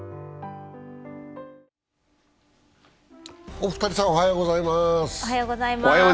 お二人さん、おはようございます。